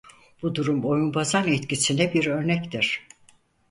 Bu durum oyunbozan etkisine bir örnektir.